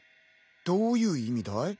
どういう意味だい？